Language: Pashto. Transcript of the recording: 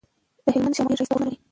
د هلمند شمال ډير ښايسته غرونه لري.